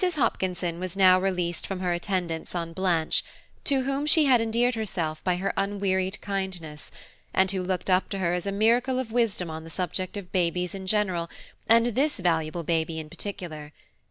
HOPKINSON was now released from her attendance on Blanche, to whom she had endeared herself by her unwearied kindness, and who looked up to her as a miracle of wisdom on the subject of babies in general, and this valuable baby in particular.